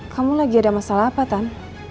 kamu lagi ada masalah apa kan